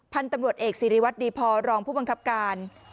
พันธุ์ตำรวจเอกสิริวัตรดีพอรองผู้บังคับการ